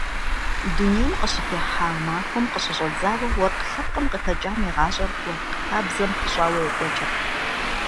Дунейм къыщытехьа махуэм къыщыщӏэдзауэ уэркъ лъэпкъым къыхэкӏам и гъащӏэр уэркъ хабзэм пыщӏауэ екӏуэкӏырт.